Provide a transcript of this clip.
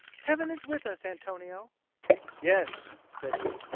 Heaven is with us, Antonio." "Yes," said he.